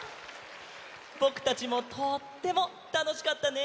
ぼくたちもとってもたのしかったね。